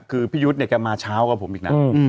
คือพี่ยุทธ์เนี่ยแกมาเช้ากว่าผมอีกนะ